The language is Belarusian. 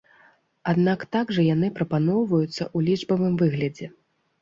Аднак так жа яны прапаноўваюцца ў лічбавым выглядзе.